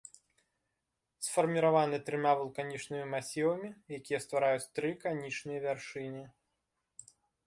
Сфарміраваны трыма вулканічнымі масівамі, якія ствараюць тры канічныя вяршыні.